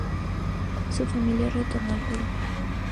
Su familia retornó al Perú.